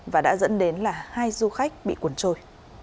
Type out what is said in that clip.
và đã dẫn đến là hai du khách bị cuốn trôi